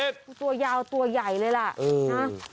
กูตัวยาวตัวใหญ่เลยแล้วครับ